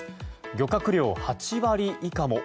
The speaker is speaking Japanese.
漁獲量８割以下も。